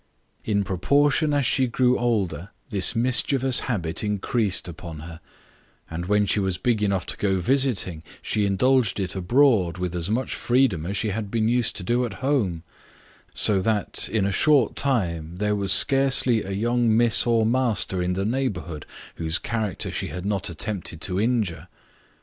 In proportion as she grew older, this mischievous habit increased upon her; and when she was big enough to go a visiting, she indulged it abroad with as much freedom as she had been used to do at home; so that, in a short time, there was scarcely a young miss or master in the neighbourhood whose character she had not attempted to injure.